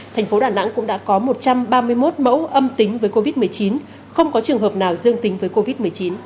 thành phố đà nẵng cũng đã có một trăm ba mươi một mẫu âm tính với covid một mươi chín không có trường hợp nào dương tính với covid một mươi chín